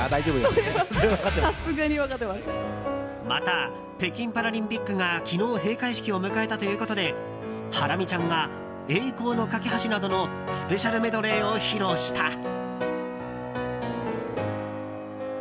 また、北京パラリンピックが昨日閉会式を迎えたということでハラミちゃんが「栄光の架橋」などのスペシャルメドレーを披露した。